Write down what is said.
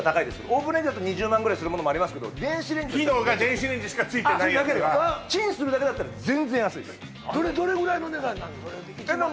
オーブンレンジだと２０万ぐらいするものもありますが電子レンジだったら機能が電子レンジしかついてないやつチンするだけだったら全然安いですどれぐらいの値段になるの？